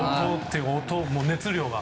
熱量が。